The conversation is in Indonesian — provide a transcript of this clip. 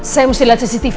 saya mesti liat cctv